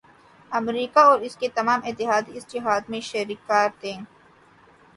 امریکہ اور اس کے تمام اتحادی اس جہاد میں شریک کار تھے۔